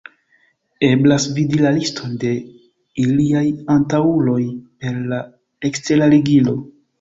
Eblas vidi la liston de iliaj antaŭuloj per la ekstera ligilo.